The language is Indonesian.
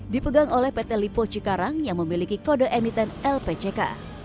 dipegang oleh pt lipo cikarang yang memiliki kode emiten lpck